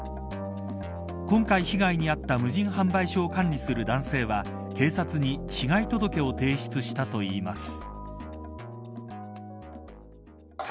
今回被害に遭った無人販売所を管理する男性は警察に被害届を提出したといいます。